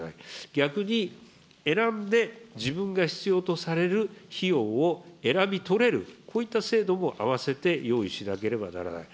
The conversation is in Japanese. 逆に、選んで自分が必要とされる費用を選び取れる、こういった制度も併せて用意しなければならない。